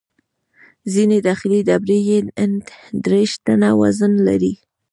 ځینې داخلي ډبرې یې ان دېرش ټنه وزن لري.